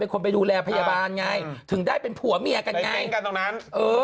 เป็นคนไปดูแลพยาบาลไงถึงได้เป็นผัวเมียกันไงได้เก็นตรงนั้น